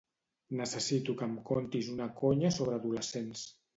Necessito que em contis una conya sobre adolescents.